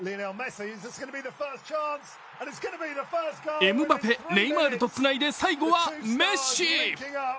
エムバペ、ネイマールとつないで最後はメッシ。